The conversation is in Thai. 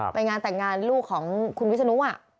ไปงานแต่งงานลูกของคุณวิศนุ